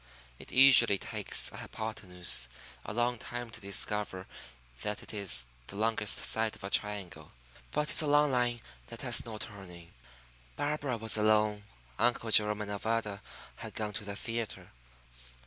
It usually takes a hypotenuse a long time to discover that it is the longest side of a triangle. But it's a long line that has no turning. Barbara was alone. Uncle Jerome and Nevada had gone to the theatre.